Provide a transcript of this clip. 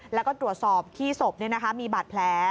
แล้วก็ตรวจสอบที่ศพมีบาดแผล